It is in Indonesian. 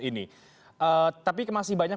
ini tapi masih banyak